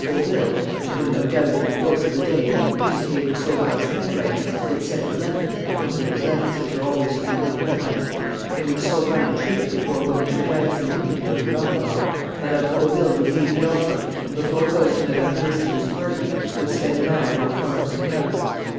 Fauville to whom no doubt, in the course of the day, imitating Sauverand's handwriting, he had sent a letter one of those letters which are always torn up at once, in which Sauverand entreated the poor woman to grant him an interview at the Ranelagh Mme. Fauville would leave the opera and, before going to Mme. d'Ersinger's party, would spend an hour not far from the house.